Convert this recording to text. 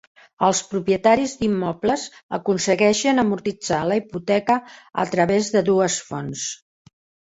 Els propietaris d'immobles aconsegueixen amortitzar la hipoteca a través de dues fonts.